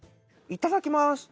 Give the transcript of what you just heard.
いただきます。